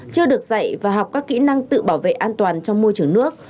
chưa được dạy và học các kỹ năng tự bảo vệ an toàn trong môi trường nước